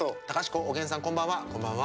こんばんは。